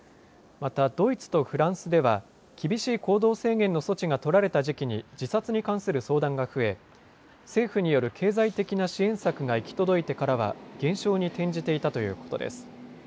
またドイツとフランスでは厳しい行動制限の措置が取られた時期に自殺に関する相談が増え政府による経済的な支援策が行き届いてからは減少に転じていたということです。